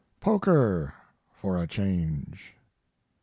Poker, for a change.